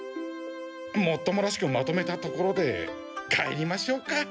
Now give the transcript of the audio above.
もっともらしくまとめたところで帰りましょうか。